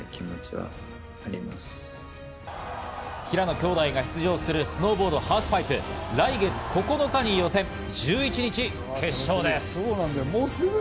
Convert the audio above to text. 平野兄弟が出場するスノーボードハーフパイプ、来月９日に予選、１１日決勝です。